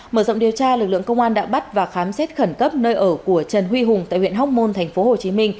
mở rộng điều tra lực lượng công an đã bắt và khám xét khẩn cấp nơi ở của trần huy hùng tại huyện hóc môn tp hcm